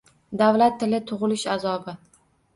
Davlat tili: tug‘ilish azobi